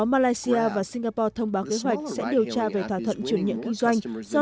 indonesia và singapore thông báo kế hoạch sẽ điều tra về thỏa thuận chuyển nhiệm kinh doanh do